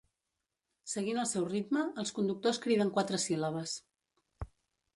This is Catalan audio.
Seguint el seu ritme, els conductors criden quatre síl·labes.